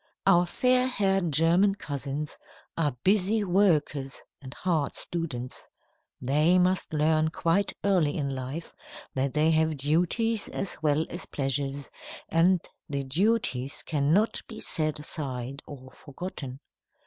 Our fair haired German cousins are busy workers and hard students. They must learn quite early in life that they have duties as well as pleasures, and the duties cannot be set aside or forgotten.